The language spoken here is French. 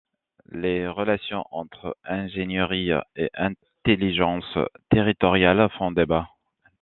Les relations entre ingénierie et intelligence territoriales font débat.